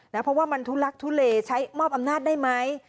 เพราะว่ามันทุลักทุเลใช้มอบอำนาจได้ไหม